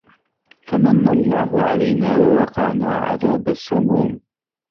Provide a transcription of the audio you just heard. فَمَنَّ اللَّهُ عَلَينا وَوَقانا عَذابَ السَّمومِ